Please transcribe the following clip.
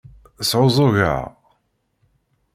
Sɛuẓẓugeɣ.